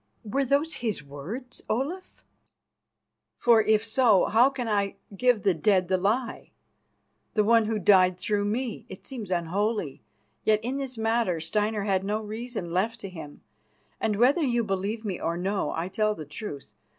"Were those his words, Olaf? For, if so, how can I give the dead the lie, and one who died through me? It seems unholy. Yet in this matter Steinar had no reason left to him and, whether you believe me or no, I tell the truth.